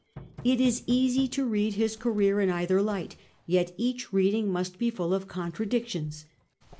It is easy to read his career in either light, yet each reading must be full of contra dictions.